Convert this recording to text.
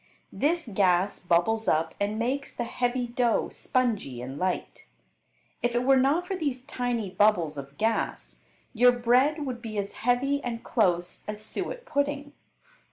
This gas bubbles up and makes the heavy dough spongy and light. If it were not for these tiny bubbles of gas your bread would be as heavy and close as suet pudding.